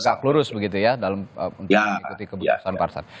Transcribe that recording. sampai lurus begitu ya dalam keputusan partai